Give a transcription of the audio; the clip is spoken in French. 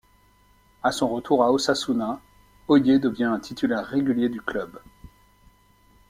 À son retour à Osasuna, Oier devient un titulaire régulier du club.